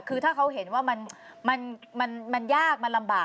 คือถ้าเขาเห็นว่ามันยากมันลำบาก